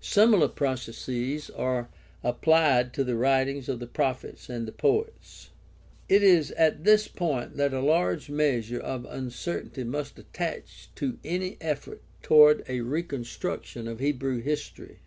Similar processes are applied to the writings of the prophets and the poets. It is at this point that a large measure of uncertainty must attach to any effort toward a reconstruction of Hebrew history.